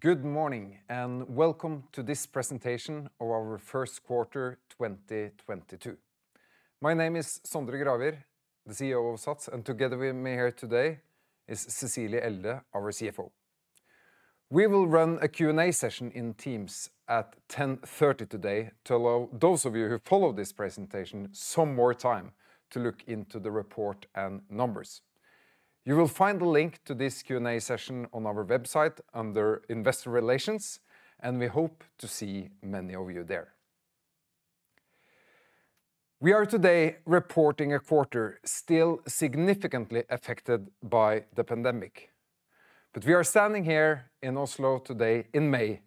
Good morning, and welcome to this presentation of our first quarter 2022. My name is Sondre Gravir, the CEO of SATS, and together with me here today is Cecilie Elde, our CFO. We will run a Q&A session in Teams at 10:30 A.M. today to allow those of you who follow this presentation some more time to look into the report and numbers. You will find the link to this Q&A session on our website under Investor Relations, and we hope to see many of you there. We are today reporting a quarter still significantly affected by the pandemic. We are standing here in Oslo today in May,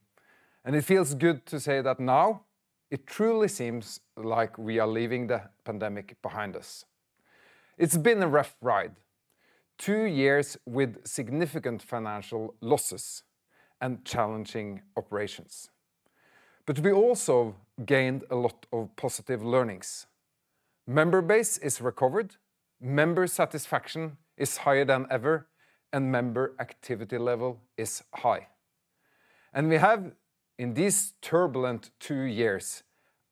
and it feels good to say that now it truly seems like we are leaving the pandemic behind us. It's been a rough ride, two years with significant financial losses and challenging operations. We also gained a lot of positive learnings. Member base is recovered, member satisfaction is higher than ever, and member activity level is high. We have, in these turbulent two years,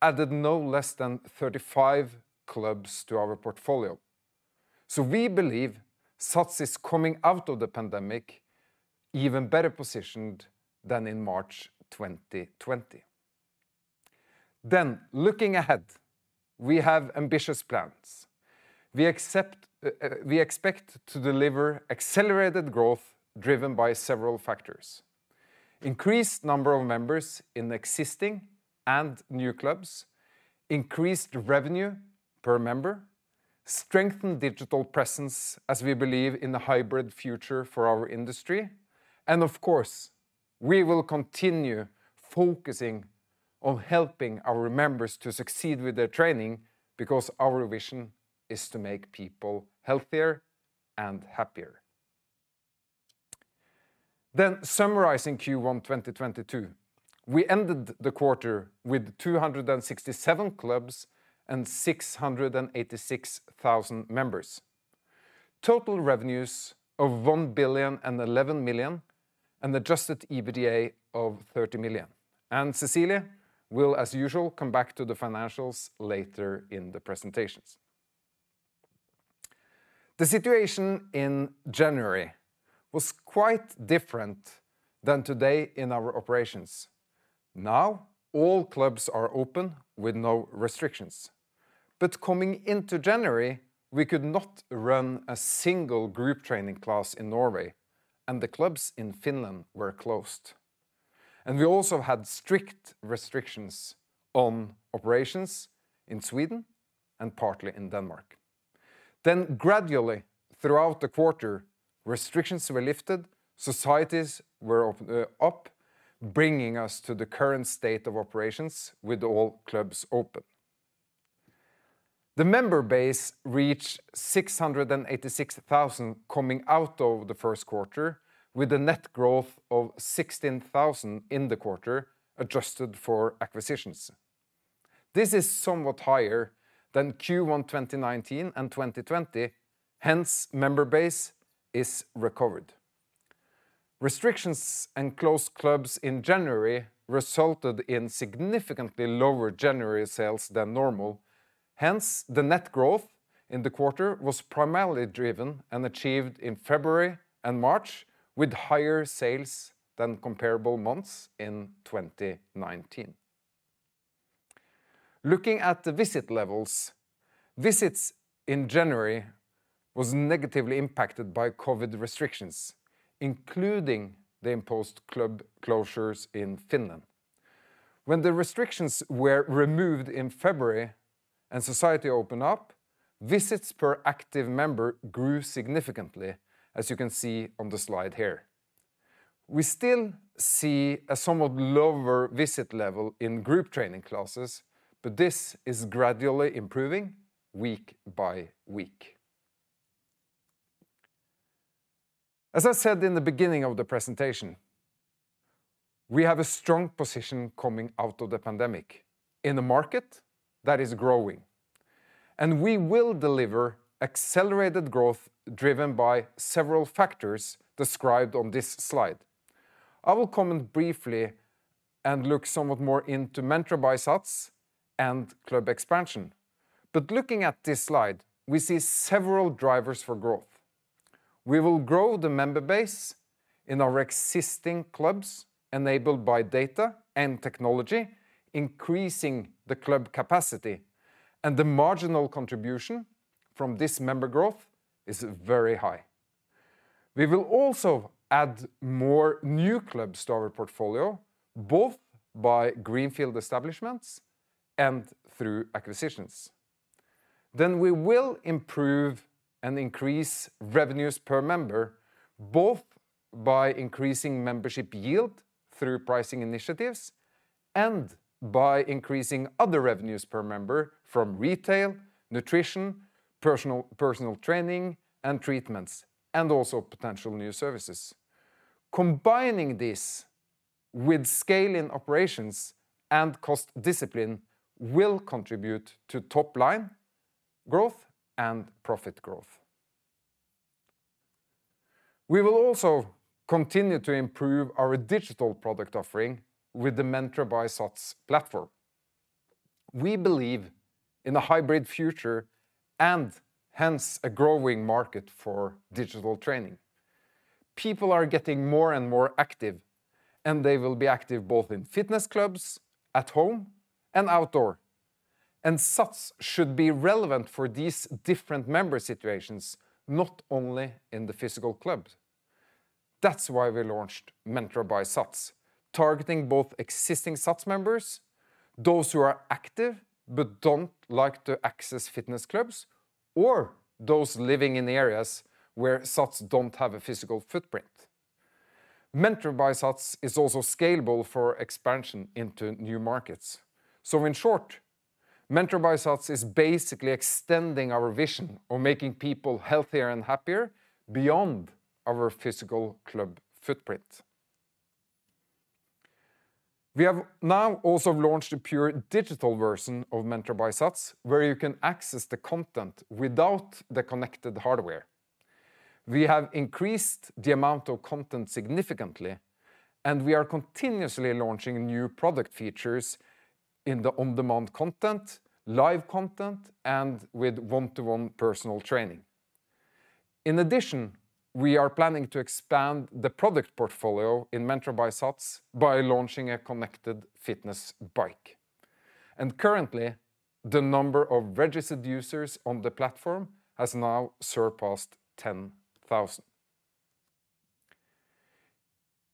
added no less than 35 clubs to our portfolio. We believe SATS is coming out of the pandemic even better positioned than in March 2020. Looking ahead, we have ambitious plans. We expect to deliver accelerated growth driven by several factors. Increased number of members in existing and new clubs, increased revenue per member, strengthen digital presence as we believe in the hybrid future for our industry, and of course, we will continue focusing on helping our members to succeed with their training because our vision is to make people healthier and happier. Summarizing Q1 2022. We ended the quarter with 267 clubs and 686,000 members. Total revenues of 1.011 billion, and Adjusted EBITDA of 30 million. Cecilie will, as usual, come back to the financials later in the presentations. The situation in January was quite different than today in our operations. Now, all clubs are open with no restrictions. Coming into January, we could not run a single group training class in Norway, and the clubs in Finland were closed. We also had strict restrictions on operations in Sweden and partly in Denmark. Gradually throughout the quarter, restrictions were lifted, societies were up, bringing us to the current state of operations with all clubs open. The member base reached 686,000 coming out of the first quarter, with a net growth of 16,000 in the quarter adjusted for acquisitions. This is somewhat higher than Q1 2019 and 2020, hence member base is recovered. Restrictions and closed clubs in January resulted in significantly lower January sales than normal. Hence, the net growth in the quarter was primarily driven and achieved in February and March with higher sales than comparable months in 2019. Looking at the visit levels, visits in January was negatively impacted by COVID restrictions, including the imposed club closures in Finland. When the restrictions were removed in February and society opened up, visits per active member grew significantly, as you can see on the slide here. We still see a somewhat lower visit level in group training classes, but this is gradually improving week by week. As I said in the beginning of the presentation, we have a strong position coming out of the pandemic in a market that is growing, and we will deliver accelerated growth driven by several factors described on this slide. I will comment briefly and look somewhat more into Mentra by SATS and club expansion. Looking at this slide, we see several drivers for growth. We will grow the member base in our existing clubs enabled by data and technology, increasing the club capacity and the marginal contribution from this member growth is very high. We will also add more new clubs to our portfolio, both by greenfield establishments and through acquisitions. We will improve and increase revenues per member, both by increasing membership yield through pricing initiatives and by increasing other revenues per member from retail, nutrition, personal training, and treatments, and also potential new services. Combining this with scale in operations and cost discipline will contribute to top-line growth and profit growth. We will also continue to improve our digital product offering with the Mentra by SATS platform. We believe in a hybrid future and hence a growing market for digital training. People are getting more and more active, and they will be active both in fitness clubs, at home, and outdoors. SATS should be relevant for these different member situations, not only in the physical clubs. That's why we launched Mentra by SATS, targeting both existing SATS members, those who are active but don't like to access fitness clubs, or those living in areas where SATS don't have a physical footprint. Mentra by SATS is also scalable for expansion into new markets. In short, Mentra by SATS is basically extending our vision of making people healthier and happier beyond our physical club footprint. We have now also launched a pure digital version of Mentra by SATS, where you can access the content without the connected hardware. We have increased the amount of content significantly, and we are continuously launching new product features in the on-demand content, live content, and with one-to-one personal training. In addition, we are planning to expand the product portfolio in Mentra by SATS by launching a connected fitness bike. Currently, the number of registered users on the platform has now surpassed 10,000.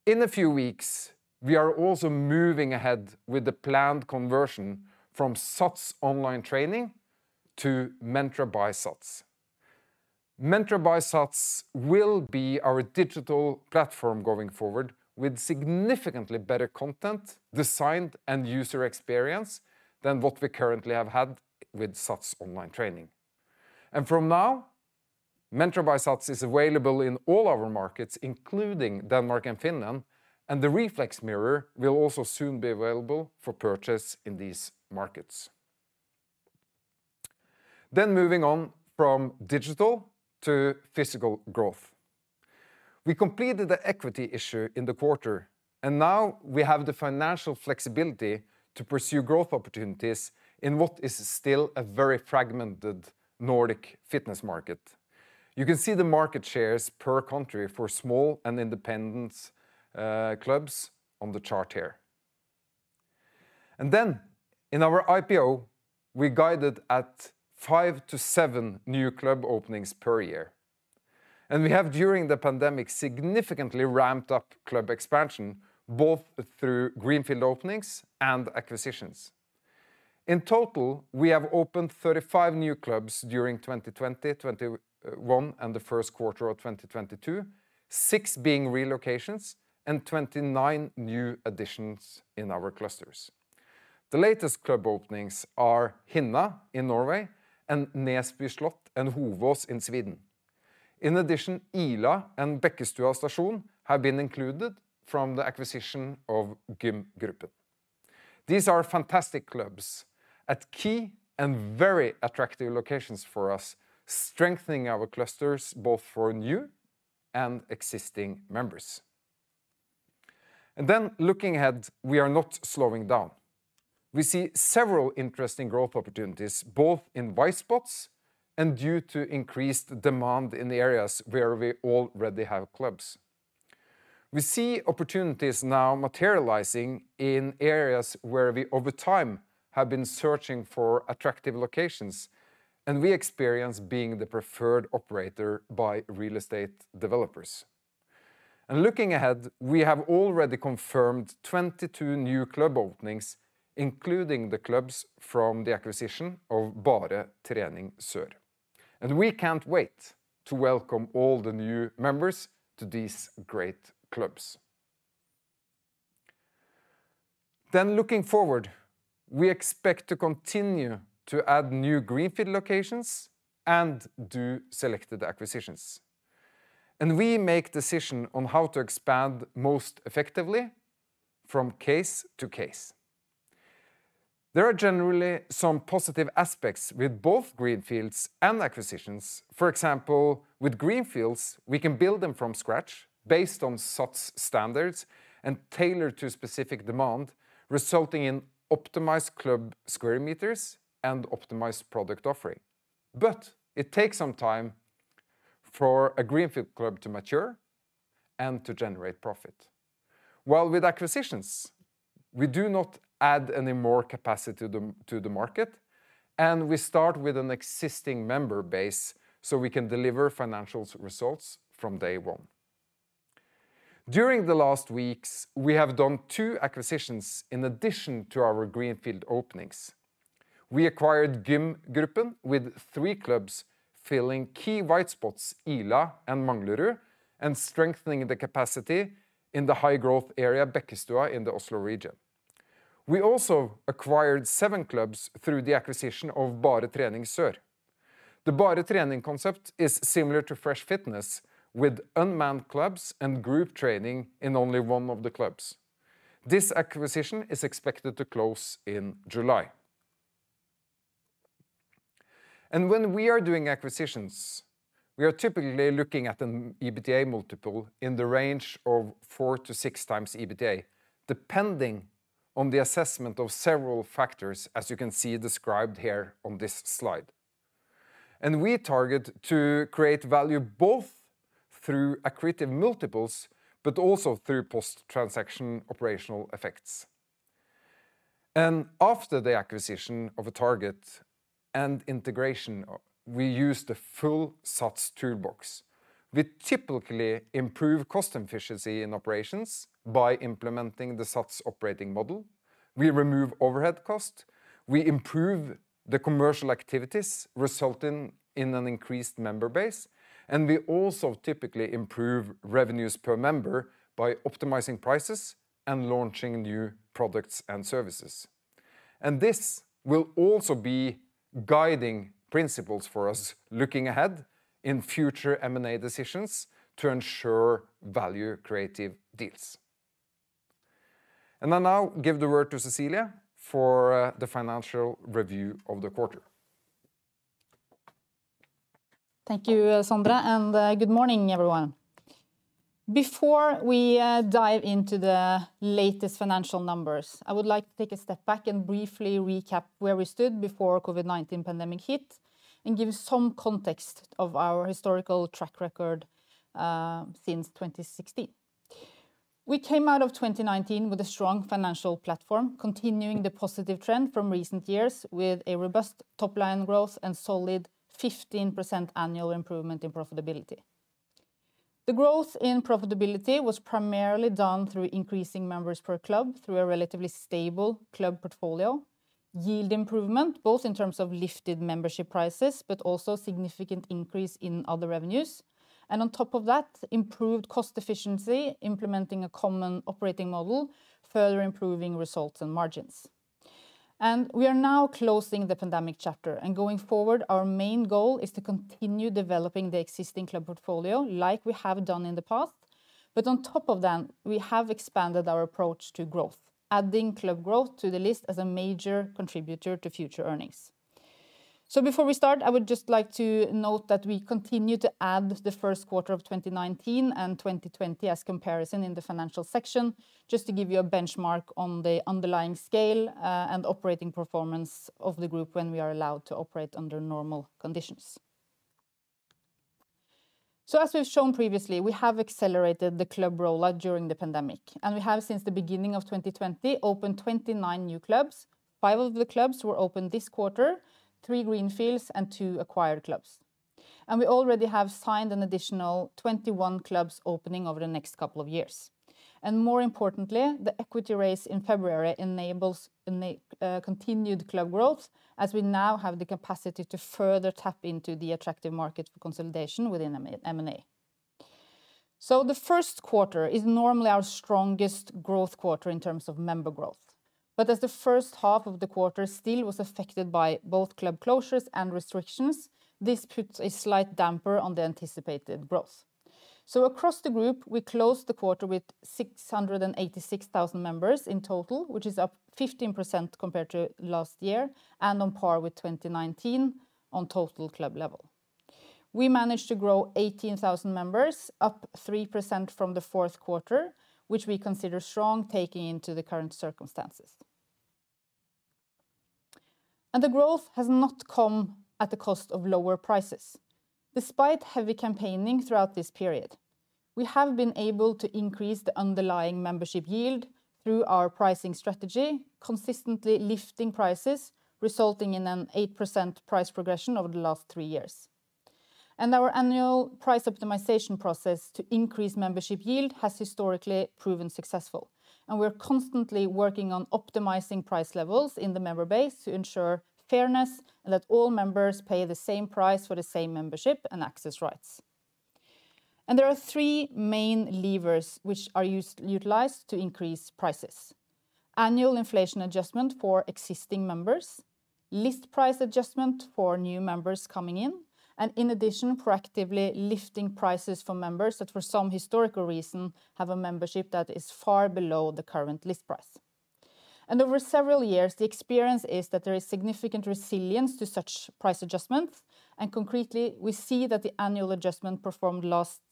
In a few weeks, we are also moving ahead with the planned conversion from SATS Online Training to Mentra by SATS. Mentra by SATS will be our digital platform going forward with significantly better content, design, and user experience than what we currently have had with SATS Online Training. From now, Mentra by SATS is available in all our markets, including Denmark and Finland, and the Rflex mirror will also soon be available for purchase in these markets. Moving on from digital to physical growth. We completed the equity issue in the quarter, and now we have the financial flexibility to pursue growth opportunities in what is still a very fragmented Nordic fitness market. You can see the market shares per country for small and independent clubs on the chart here. In our IPO, we guided at five to seven new club openings per year. We have during the pandemic significantly ramped up club expansion, both through greenfield openings and acquisitions. In total, we have opened 35 new clubs during 2020, 2021, and the first quarter of 2022, six being relocations and 29 new additions in our clusters. The latest club openings are Hinna in Norway and Näsby Slott and Hovås in Sweden. In addition, Ila and Bekkestua Stasjon have been included from the acquisition of Gym Gruppen. These are fantastic clubs at key and very attractive locations for us, strengthening our clusters both for new and existing members. Looking ahead, we are not slowing down. We see several interesting growth opportunities, both in white spots and due to increased demand in the areas where we already have clubs. We see opportunities now materializing in areas where we over time have been searching for attractive locations, and we experience being the preferred operator by real estate developers. Looking ahead, we have already confirmed 22 new club openings, including the clubs from the acquisition of Bare Trening Sør. We can't wait to welcome all the new members to these great clubs. Looking forward, we expect to continue to add new greenfield locations and do selected acquisitions. We make decision on how to expand most effectively from case to case. There are generally some positive aspects with both greenfields and acquisitions. For example, with greenfields, we can build them from scratch based on SATS standards and tailored to specific demand, resulting in optimized club square meters and optimized product offering. It takes some time for a greenfield club to mature and to generate profit. While with acquisitions, we do not add any more capacity to the market, and we start with an existing member base, so we can deliver financial results from day one. During the last weeks, we have done two acquisitions in addition to our greenfield openings. We acquired Gym Gruppen with three clubs filling key white spots, Ila and Manglerud, and strengthening the capacity in the high-growth area Bekkestua in the Oslo region. We also acquired seven clubs through the acquisition of Bare Trening Sør. The Bare Trening concept is similar to Fresh Fitness, with unmanned clubs and group training in only one of the clubs. This acquisition is expected to close in July. When we are doing acquisitions, we are typically looking at an EBITDA multiple in the range of 4x-6x EBITDA, depending on the assessment of several factors, as you can see described here on this slide. We target to create value both through accretive multiples, but also through post-transaction operational effects. After the acquisition of a target and integration, we use the full SATS toolbox. We typically improve cost efficiency in operations by implementing the SATS operating model. We remove overhead cost, we improve the commercial activities, resulting in an increased member base, and we also typically improve revenues per member by optimizing prices and launching new products and services. This will also be guiding principles for us looking ahead in future M&A decisions to ensure value-creative deals. I now give the word to Cecilie for the financial review of the quarter. Thank you, Sondre, and good morning, everyone. Before we dive into the latest financial numbers, I would like to take a step back and briefly recap where we stood before COVID-19 pandemic hit and give some context of our historical track record since 2016. We came out of 2019 with a strong financial platform, continuing the positive trend from recent years with a robust top-line growth and solid 15% annual improvement in profitability. The growth in profitability was primarily done through increasing members per club through a relatively stable club portfolio, yield improvement, both in terms of lifted membership prices, but also significant increase in other revenues. On top of that, improved cost efficiency, implementing a common operating model, further improving results and margins. We are now closing the pandemic chapter. Going forward, our main goal is to continue developing the existing club portfolio like we have done in the past. On top of that, we have expanded our approach to growth, adding club growth to the list as a major contributor to future earnings. Before we start, I would just like to note that we continue to add the first quarter of 2019 and 2020 as comparison in the financial section, just to give you a benchmark on the underlying scale, and operating performance of the group when we are allowed to operate under normal conditions. As we've shown previously, we have accelerated the club rollout during the pandemic, and we have since the beginning of 2020, opened 29 new clubs. Five of the clubs were opened this quarter, three greenfields and two acquired clubs. We already have signed an additional 21 clubs opening over the next couple of years. More importantly, the equity raise in February enables unique, continued club growth as we now have the capacity to further tap into the attractive market for consolidation within M&A. The first quarter is normally our strongest growth quarter in terms of member growth. As the first half of the quarter still was affected by both club closures and restrictions, this puts a slight damper on the anticipated growth. Across the group, we closed the quarter with 686,000 members in total, which is up 15% compared to last year and on par with 2019 on total club level. We managed to grow 18,000 members, up 3% from the fourth quarter, which we consider strong taking into the current circumstances. The growth has not come at the cost of lower prices. Despite heavy campaigning throughout this period, we have been able to increase the underlying membership yield through our pricing strategy, consistently lifting prices, resulting in an 8% price progression over the last three years. Our annual price optimization process to increase membership yield has historically proven successful, and we're constantly working on optimizing price levels in the member base to ensure fairness and that all members pay the same price for the same membership and access rights. There are three main levers which are utilized to increase prices. Annual inflation adjustment for existing members, list price adjustment for new members coming in, and in addition, proactively lifting prices for members that for some historical reason, have a membership that is far below the current list price. Over several years, the experience is that there is significant resilience to such price adjustments. Concretely, we see that the annual adjustment performed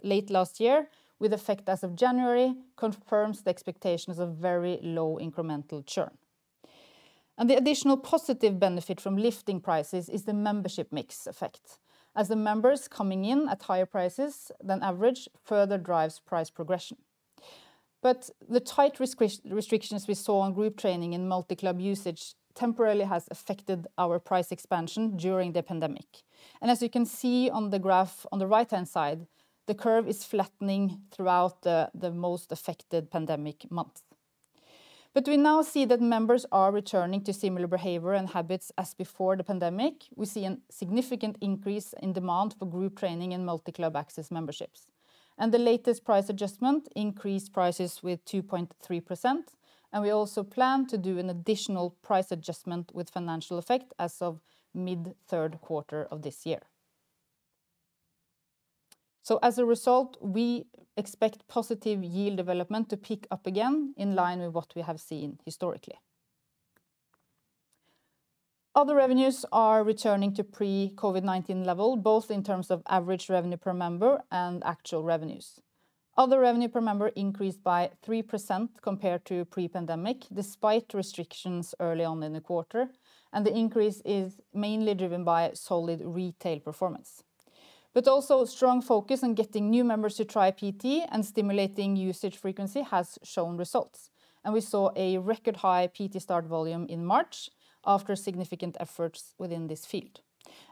late last year with effect as of January confirms the expectations of very low incremental churn. The additional positive benefit from lifting prices is the membership mix effect, as the members coming in at higher prices than average further drives price progression. The tight restrictions we saw on group training and multi-club usage temporarily has affected our price expansion during the pandemic. As you can see on the graph on the right-hand side, the curve is flattening throughout the most affected pandemic months. We now see that members are returning to similar behavior and habits as before the pandemic. We see a significant increase in demand for group training and multi-club access memberships. The latest price adjustment increased prices with 2.3%, and we also plan to do an additional price adjustment with financial effect as of mid third quarter of this year. As a result, we expect positive yield development to pick up again in line with what we have seen historically. Other revenues are returning to pre-COVID-19 level, both in terms of average revenue per member and actual revenues. Other revenue per member increased by 3% compared to pre-pandemic, despite restrictions early on in the quarter, and the increase is mainly driven by solid retail performance. Also strong focus on getting new members to try PT and stimulating usage frequency has shown results, and we saw a record high PT start volume in March after significant efforts within this field.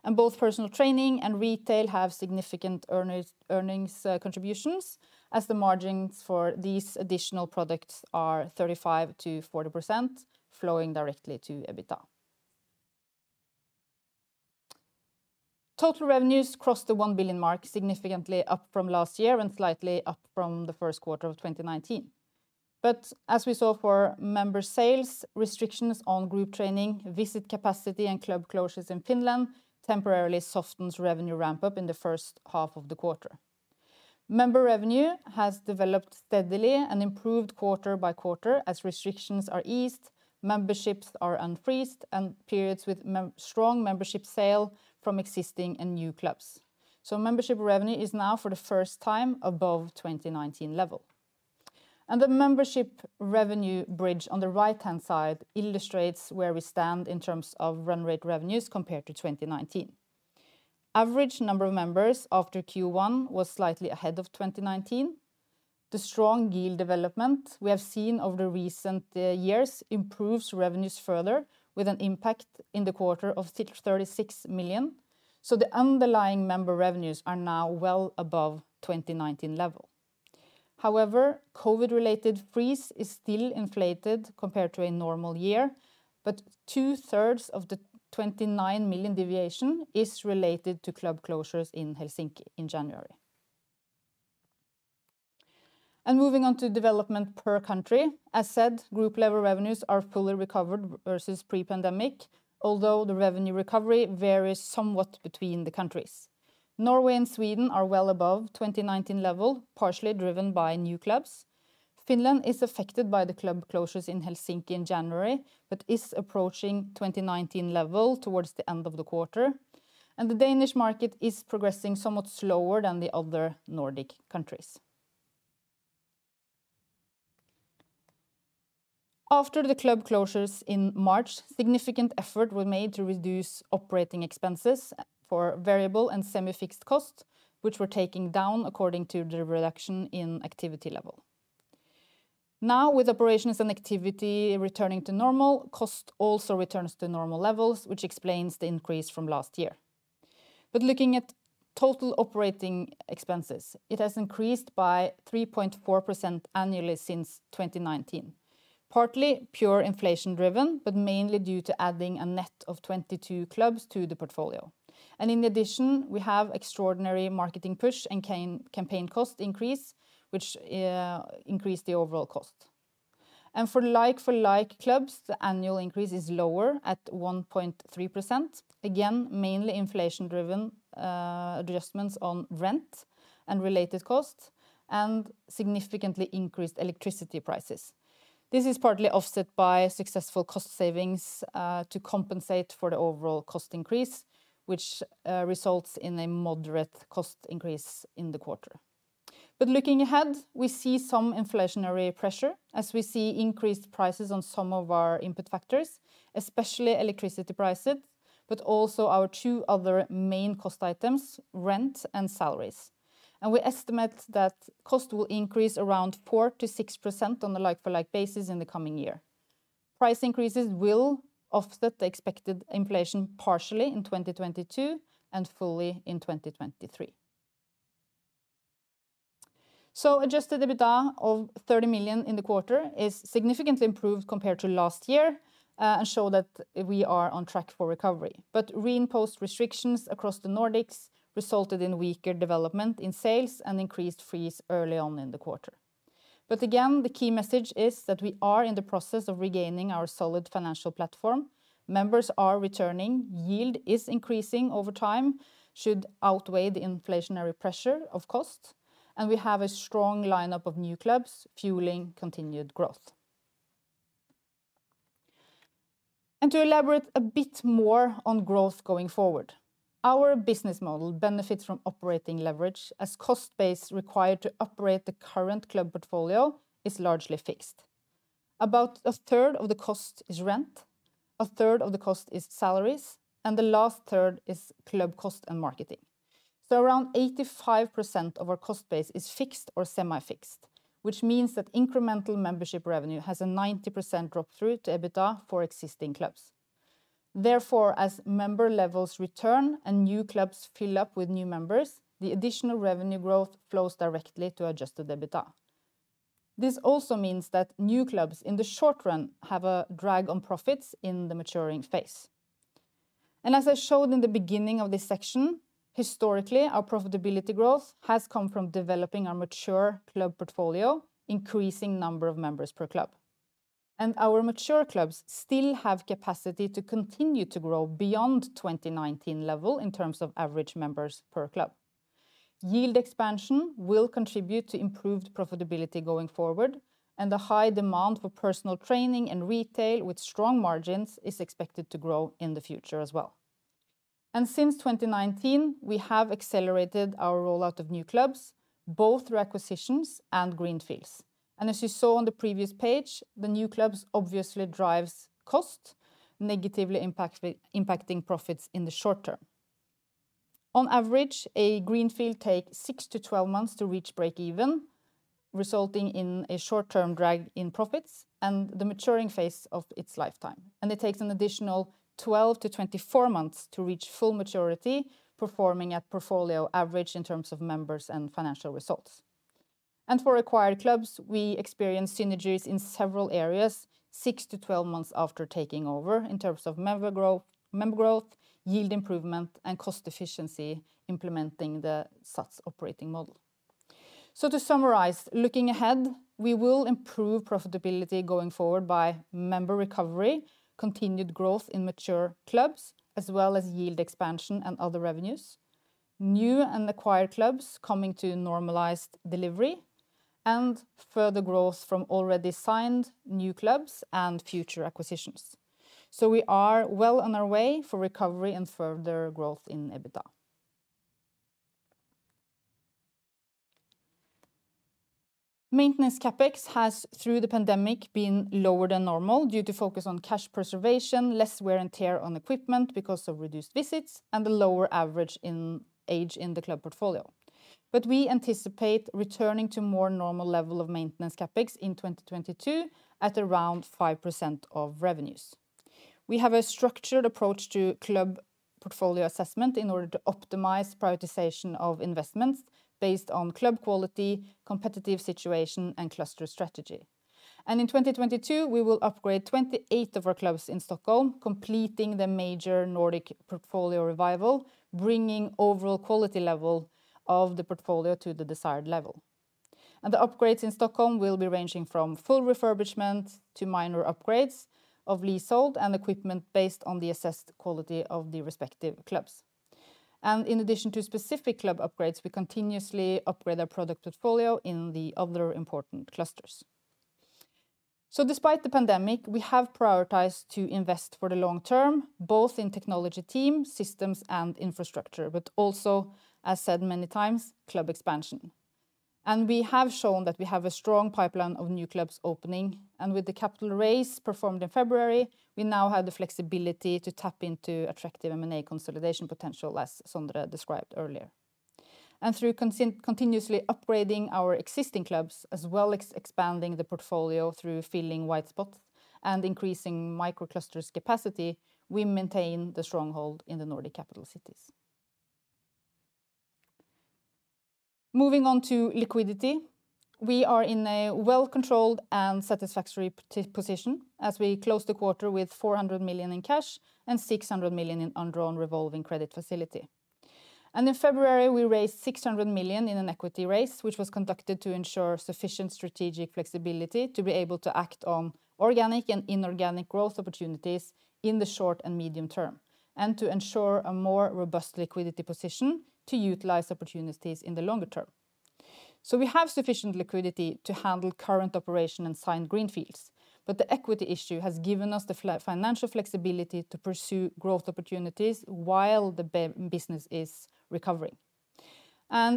Both personal training and retail have significant earnings contributions as the margins for these additional products are 35%-40% flowing directly to EBITDA. Total revenues crossed the 1 billion mark, significantly up from last year and slightly up from the first quarter of 2019. As we saw for member sales, restrictions on group training, visit capacity, and club closures in Finland temporarily softens revenue ramp-up in the first half of the quarter. Member revenue has developed steadily and improved quarter by quarter as restrictions are eased, memberships are unfreezed, and periods with strong membership sales from existing and new clubs. Membership revenue is now for the first time above 2019 level. The membership revenue bridge on the right-hand side illustrates where we stand in terms of run rate revenues compared to 2019. Average number of members after Q1 was slightly ahead of 2019. The strong yield development we have seen over the recent years improves revenues further with an impact in the quarter of 36 million. The underlying member revenues are now well above 2019 level. However, COVID-related freeze is still inflated compared to a normal year, but two-thirds of the 29 million deviation is related to club closures in Helsinki in January. Moving on to development per country. As said, group level revenues are fully recovered versus pre-pandemic, although the revenue recovery varies somewhat between the countries. Norway and Sweden are well above 2019 level, partially driven by new clubs. Finland is affected by the club closures in Helsinki in January, but is approaching 2019 level towards the end of the quarter. The Danish market is progressing somewhat slower than the other Nordic countries. After the club closures in March, significant effort were made to reduce operating expenses for variable and semi-fixed costs, which were taken down according to the reduction in activity level. Now, with operations and activity returning to normal, cost also returns to normal levels, which explains the increase from last year. Looking at total operating expenses, it has increased by 3.4% annually since 2019, partly pure inflation driven, but mainly due to adding a net of 22 clubs to the portfolio. In addition, we have extraordinary marketing push and campaign cost increase, which increased the overall cost. For like-for-like clubs, the annual increase is lower at 1.3%. Again, mainly inflation driven, adjustments on rent and related costs and significantly increased electricity prices. This is partly offset by successful cost savings to compensate for the overall cost increase, which results in a moderate cost increase in the quarter. Looking ahead, we see some inflationary pressure as we see increased prices on some of our input factors, especially electricity prices, but also our two other main cost items, rent and salaries. We estimate that cost will increase around 4%-6% on the like-for-like basis in the coming year. Price increases will offset the expected inflation partially in 2022 and fully in 2023. Adjusted EBITDA of 30 million in the quarter is significantly improved compared to last year, and show that we are on track for recovery. Reimposed restrictions across the Nordics resulted in weaker development in sales and increased fees early on in the quarter. Again, the key message is that we are in the process of regaining our solid financial platform. Members are returning. Yield is increasing over time, should outweigh the inflationary pressure of cost, and we have a strong line-up of new clubs fueling continued growth. To elaborate a bit more on growth going forward, our business model benefits from operating leverage as cost base required to operate the current club portfolio is largely fixed. About a third of the cost is rent, a third of the cost is salaries, and the last third is club cost and marketing. Around 85% of our cost base is fixed or semi-fixed, which means that incremental membership revenue has a 90% drop through to EBITDA for existing clubs. Therefore, as member levels return and new clubs fill up with new members, the additional revenue growth flows directly to Adjusted EBITDA. This also means that new clubs in the short run have a drag on profits in the maturing phase. As I showed in the beginning of this section, historically, our profitability growth has come from developing our mature club portfolio, increasing number of members per club. Our mature clubs still have capacity to continue to grow beyond 2019 level in terms of average members per club. Yield expansion will contribute to improved profitability going forward, and the high demand for personal training and retail with strong margins is expected to grow in the future as well. Since 2019, we have accelerated our rollout of new clubs, both through acquisitions and greenfields. As you saw on the previous page, the new clubs obviously drives cost, negatively impacting profits in the short term. On average, a greenfield take 6 months-12 months to reach break even, resulting in a short-term drag in profits and the maturing phase of its lifetime. It takes an additional 12 months-24 months to reach full maturity, performing at portfolio average in terms of members and financial results. For acquired clubs, we experience synergies in several areas 6 months-12 months after taking over in terms of member growth, yield improvement, and cost efficiency implementing the SATS operating model. To summarize, looking ahead, we will improve profitability going forward by member recovery, continued growth in mature clubs, as well as yield expansion and other revenues, new and acquired clubs coming to normalized delivery, and further growth from already signed new clubs and future acquisitions. We are well on our way for recovery and further growth in EBITDA. Maintenance CapEx has, through the pandemic, been lower than normal due to focus on cash preservation, less wear and tear on equipment because of reduced visits, and the lower average in age in the club portfolio. We anticipate returning to more normal level of maintenance CapEx in 2022 at around 5% of revenues. We have a structured approach to club portfolio assessment in order to optimize prioritization of investments based on club quality, competitive situation, and cluster strategy. In 2022, we will upgrade 28 of our clubs in Stockholm, completing the major Nordic portfolio revival, bringing overall quality level of the portfolio to the desired level. The upgrades in Stockholm will be ranging from full refurbishment to minor upgrades of leasehold and equipment based on the assessed quality of the respective clubs. In addition to specific club upgrades, we continuously upgrade our product portfolio in the other important clusters. Despite the pandemic, we have prioritized to invest for the long term, both in technology team, systems and infrastructure, but also, as said many times, club expansion. We have shown that we have a strong pipeline of new clubs opening, and with the capital raise performed in February, we now have the flexibility to tap into attractive M&A consolidation potential as Sondre described earlier. Through continuously upgrading our existing clubs, as well as expanding the portfolio through filling white spots and increasing microclusters capacity, we maintain the stronghold in the Nordic capital cities. Moving on to liquidity. We are in a well-controlled and satisfactory position as we close the quarter with 400 million in cash and 600 million in undrawn revolving credit facility. In February, we raised 600 million in an equity raise, which was conducted to ensure sufficient strategic flexibility to be able to act on organic and inorganic growth opportunities in the short and medium term, and to ensure a more robust liquidity position to utilize opportunities in the longer term. We have sufficient liquidity to handle current operation and sign greenfields, but the equity issue has given us the financial flexibility to pursue growth opportunities while the business is recovering.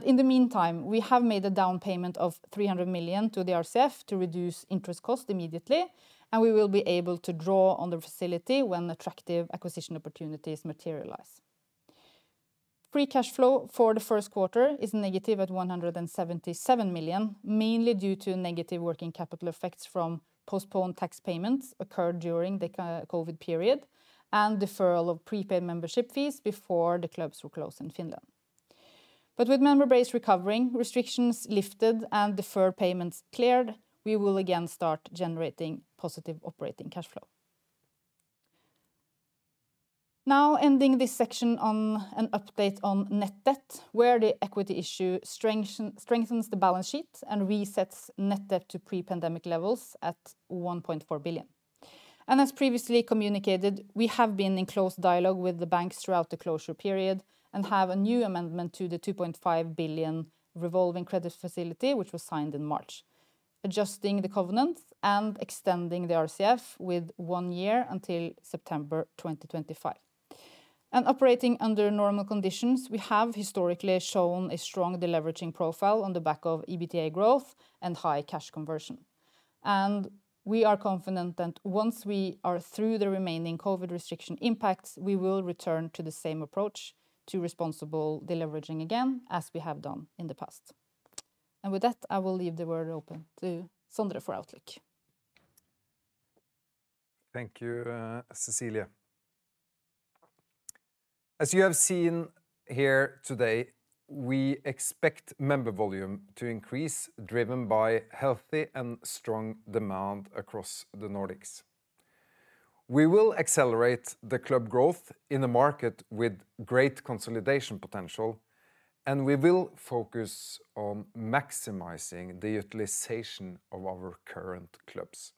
In the meantime, we have made a down payment of 300 million to the RCF to reduce interest cost immediately, and we will be able to draw on the facility when attractive acquisition opportunities materialize. Free cash flow for the first quarter is negative at 177 million, mainly due to negative working capital effects from postponed tax payments occurred during the COVID period and deferral of prepaid membership fees before the clubs were closed in Finland. With member base recovering, restrictions lifted, and deferred payments cleared, we will again start generating positive operating cash flow. Now ending this section on an update on net debt, where the equity issue strengthens the balance sheet and resets net debt to pre-pandemic levels at 1.4 billion. As previously communicated, we have been in close dialogue with the banks throughout the closure period and have a new amendment to the 2.5 billion revolving credit facility which was signed in March, adjusting the covenants and extending the RCF with one year until September 2025. Operating under normal conditions, we have historically shown a strong deleveraging profile on the back of EBITDA growth and high cash conversion. We are confident that once we are through the remaining COVID restriction impacts, we will return to the same approach to responsible deleveraging again, as we have done in the past. With that, I will leave the word open to Sondre for outlook. Thank you, Cecilie. As you have seen here today, we expect member volume to increase, driven by healthy and strong demand across the Nordics. We will accelerate the club growth in the market with great consolidation potential, and we will focus on maximizing the utilization of our current clubs.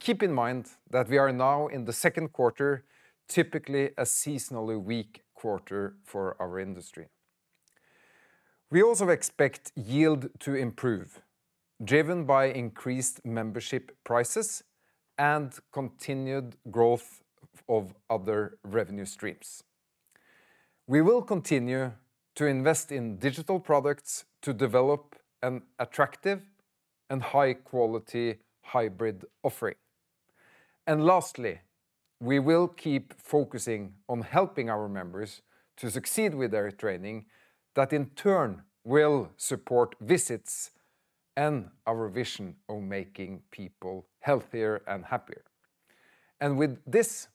Keep in mind that we are now in the second quarter, typically a seasonally weak quarter for our industry. We also expect yield to improve, driven by increased membership prices and continued growth of other revenue streams. We will continue to invest in digital products to develop an attractive and high-quality hybrid offering. Lastly, we will keep focusing on helping our members to succeed with their training that, in turn, will support visits and our vision of making people healthier and happier. With this,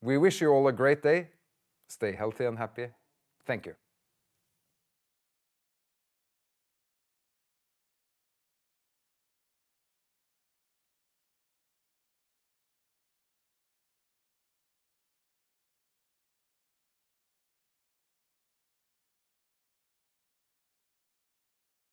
we wish you all a great day. Stay healthy and happy. Thank you.